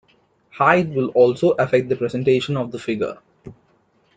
Height will also affect the presentation of the figure.